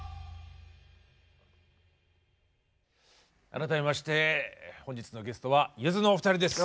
改めまして本日のゲストはゆずのお二人です。